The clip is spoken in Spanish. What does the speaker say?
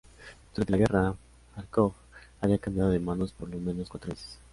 Durante la guerra, Járkov había cambiado de manos por lo menos cuatro veces.